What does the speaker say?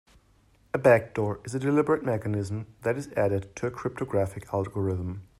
A backdoor is a deliberate mechanism that is added to a cryptographic algorithm.